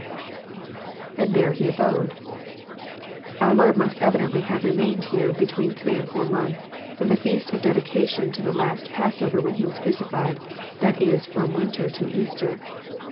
lAnd there he abode,'] Our Lord must evidently have remained here between three and four months, — from the feast of dedica tion to the last passover when he was crucified ; that is f^om winter to Easter.